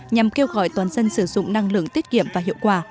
nhằm kêu gọi toàn dân sử dụng năng lượng tiết kiệm và hiệu quả